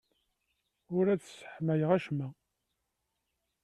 Ur d-sseḥmayeɣ acemma.